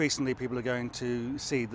lebih banyak orang akan melihat